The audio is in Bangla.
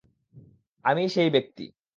আমিই সেই ব্যাক্তি!